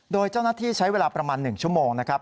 โดยเจ้าหน้าที่ใช้เวลาประมาณ๑ชั่วโมงนะครับ